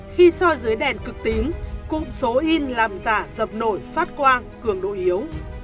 khi soi dưới đèn cực tím cung số in làm giả dập nổi phát quang cường độ yếu